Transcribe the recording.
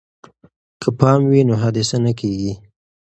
که پام وي نو حادثه نه کیږي.